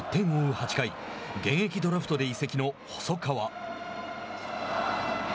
８回、現役ドラフトで移籍の細川。